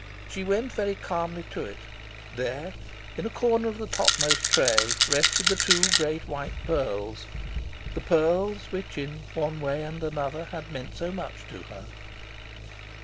She went very calmly to it. There, in a corner of the topmost tray, rested the two great white pearls the pearls which, in one way and another, had meant so much to her.